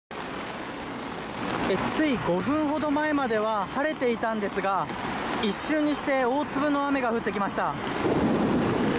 つい５分ほど前までは晴れていたんですが一瞬にして大粒の雨が降ってきました。